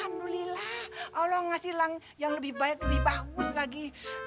alhamdulillah allah ngasih yang lebih baik lebih bagus lagi